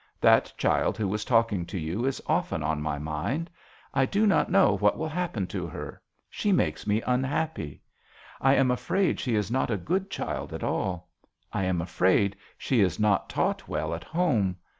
That child who was talking to you is often on my mind. I do not know what will happen to her. She makes me unhappy. I am afraid she is not a good child at all. I am afraid she is not taught well at home.